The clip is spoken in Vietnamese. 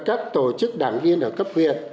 các tổ chức đảng viên ở cấp huyện